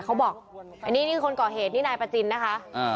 เขาบอกอันนี้นี่คือคนก่อเหตุนี่นายประจินนะคะ